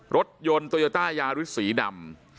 รถยนต์โตโยต้ายาริสสีดำ